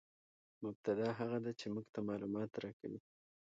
مبتداء هغه ده، چي موږ ته معلومات راکوي.